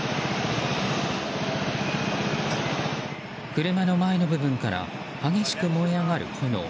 車の前の部分から激しく燃え上がる炎。